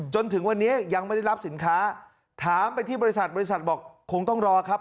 จนถึงวันนี้ยังไม่ได้รับสินค้าถามไปที่บริษัทบริษัทบอกคงต้องรอครับ